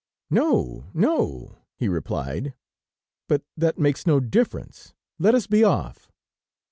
"No, no," he replied. "But that makes no difference; let us be off."